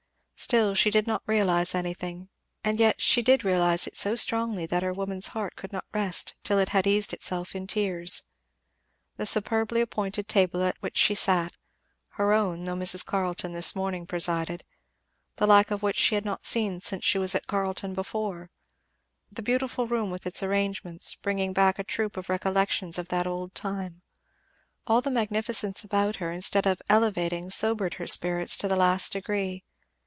Still she did not realize anything, and yet she did realize it so strongly that her woman's heart could not rest till it bad eased itself in tears. The superbly appointed table at which she sat, her own, though Mrs. Carleton this morning presided, the like of which she had not seen since she was at Carleton before; the beautiful room with its arrangements, bringing back a troop of recollections of that old time; all the magnificence about her, instead of elevating sobered her spirits to the last degree.